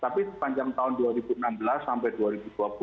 tapi sepanjang tahun dua ribu enam belas sampai dua ribu dua puluh